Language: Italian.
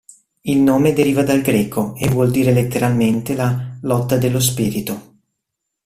Il nome deriva dal greco, e vuol dire letteralmente la "lotta dello spirito".